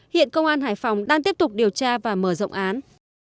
hiện công an hải phòng đang tiếp tục điều tra và mở rộng án